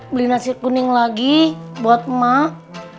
beli nasi kuning lagi buat emak